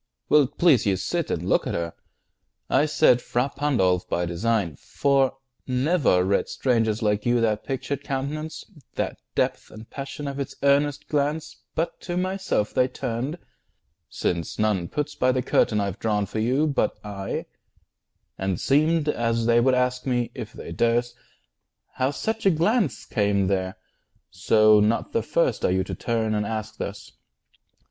Will't please you sit and look at her? I said "Fra Pandolf" by design, for never read Strangers like you that pictured countenance, The depth and passion of its earnest glance, But to myself they turned (since none puts by the curtain I have drawn for you, but I) 10 And seemed as they would ask me, if they durst, How such a glance came there; so, not the first Are you to turn and ask thus.